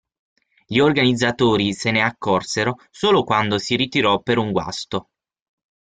Gli organizzatori se ne "accorsero" solo quando si ritirò per un guasto.